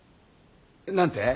何て？